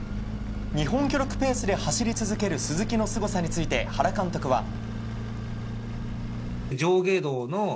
日本記録ペースで走り続ける鈴木のすごさについて原監督は。